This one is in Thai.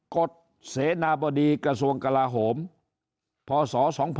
กฎเสนาบดีกระทรวงกลาโหมพศ๒๕๖๒